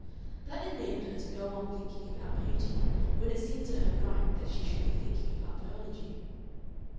That enabled her to go on thinking about beauty when it seemed to her right that she should be thinking about biology.